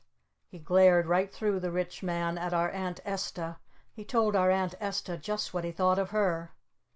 He glared right through the Rich Man at our Aunt Esta. He told our Aunt Esta just what he thought of her!